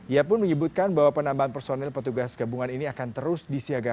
ia pun menyebutkan bahwa penambahan personil petugas gabungan ini akan terus disiagakan